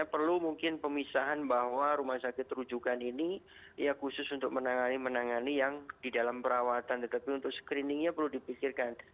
jadi perlu mungkin pemisahan bahwa rumah sakit terujukan ini ya khusus untuk menangani menangani yang di dalam perawatan tetapi untuk screeningnya perlu dipikirkan